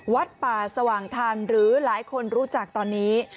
วัดป่าสว่างธรรมหรือหลายคนรู้จักตอนนี้